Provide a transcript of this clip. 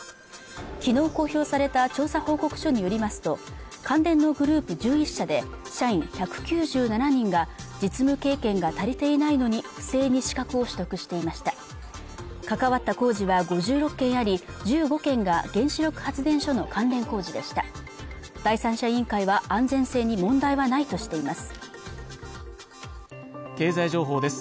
きのう公表された調査報告書によりますと関電のグループ１１社で社員１９７人が実務経験が足りていないのに不正に資格を取得していました関わった工事は５６件あり１５件が原子力発電所の関連工事でした第三者委員会は安全性に問題はないとしています